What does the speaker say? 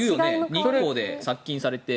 日光で殺菌されて。